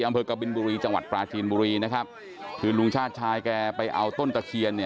อำเภอกบิลบุรีจังหวัดปราชีนบุรีคือลุงชาติชายไปเอาต้นตะเคียน